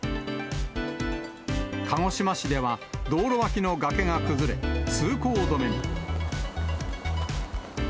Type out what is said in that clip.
鹿児島市では、道路脇の崖が崩れ、通行止めに。